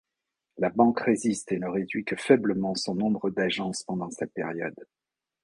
La banque résiste et ne réduit que faiblement son nombre d'agences pendant cette période.